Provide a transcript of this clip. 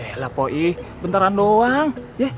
eh lah poi bentaran doang